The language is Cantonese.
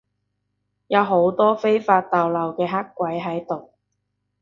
有好多非法逗留嘅黑鬼喺度